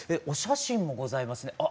お写真もございますね。